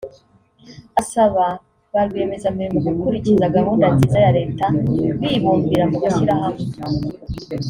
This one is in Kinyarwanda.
Asaba ba rwiyemezamirimo gukurikiza gahunda nziza ya Leta bibumbira mu mashyirahamwe